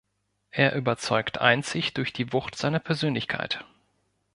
Er überzeugt einzig durch die Wucht seiner Persönlichkeit.